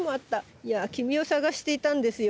いや君を探していたんですよ。